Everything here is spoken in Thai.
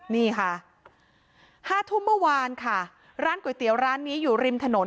นี่ค่ะห้าทุ่มเมื่อวานค่ะร้านก๋วยเตี๋ยวร้านนี้อยู่ริมถนน